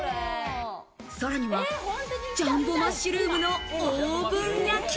さらにはジャンボマッシュルームのオーブン焼き。